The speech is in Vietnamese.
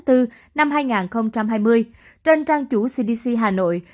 trên trang chủ cdc hà nội